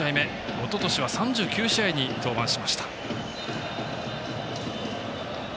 おととしは３９試合に登板しました。